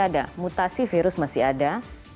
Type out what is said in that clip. ada mutasi virus masih ada